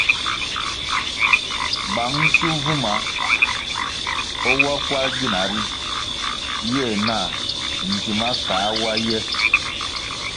Bang nzi vumah wa kwar gina ri yeh nah ndzima kah wa yeh.